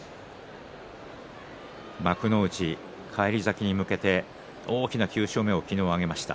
幕内返り咲きに向けて大きな９勝目を昨日挙げました。